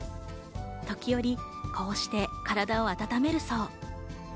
時折こうして体を温めるそう。